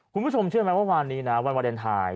คุณผู้ชมเชื่อไหมว่าวันนี้นะวันวาเลนไทย